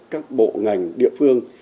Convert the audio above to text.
các bộ ngành địa phương